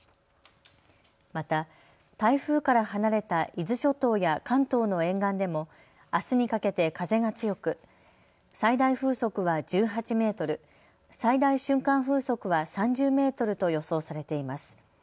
また、台風から離れた伊豆諸島や関東の沿岸でもあすにかけて風が強く最大風速は１８メートル、最大瞬間風速は３０メートルと予想されています。